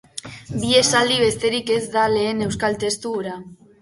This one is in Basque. Bi esaldi besterik ez da lehen euskal testu hura.